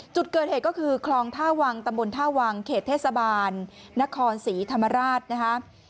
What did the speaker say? จุดเกิดเหตุก็คือคลองท่าวังตำบลท่าวังเขตเทศบาลนครศรีธรรมราชนะคะ